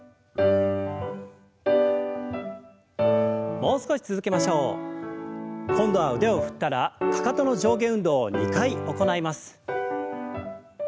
もう少し続けましょう。今度は腕を振ったらかかとの上下運動を２回行います。